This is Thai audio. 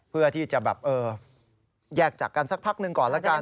เพื่อที่จะแบบเออแยกจากกันสักพักหนึ่งก่อนแล้วกัน